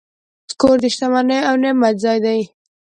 کور د شتمنۍ او نعمت ځای دی.